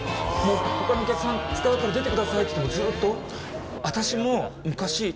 他のお客さん使うから出てくださいと言われてもずっと？